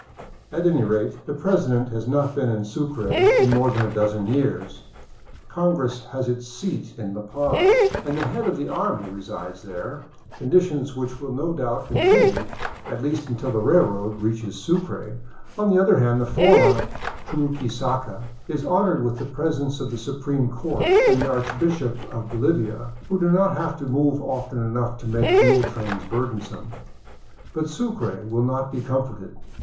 At any rate, the president has not been in Sucre in 499 VAGABONDING DOWN THE ANDES more than a dozen years, congress has its seat in La Paz, and the head of the army resides there — conditions which will no doubt con tinue, at least until the railroad reaches Sucre. On the other hand the former " Chuquisaca " is honored with the presence of the su preme court and the archbishop of Bolivia, who do not have to move often enough to make mule trails burdensome. But Sucre will not be comforted.